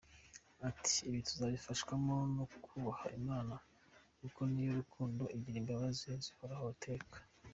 Ati “Ibi tuzabifashwamo no kubaha Imana kuko ni yo rukundo igira imbabazi zihoraho iteka.